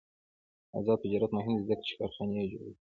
آزاد تجارت مهم دی ځکه چې کارخانې جوړوي.